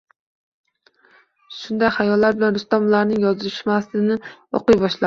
Shunday xayollar bilan Rustam ularning yozishmasini o`qiy boshladi